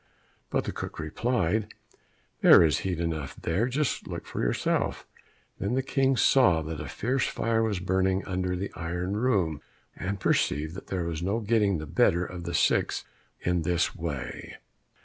But the cook replied, "There is heat enough there, just look yourself." Then the King saw that a fierce fire was burning under the iron room, and perceived that there was no getting the better of the six in this way.